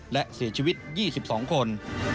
และเสียชีวิต๒๒คน